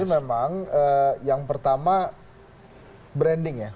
jadi memang yang pertama branding ya